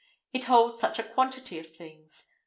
It holds such a quantity of things.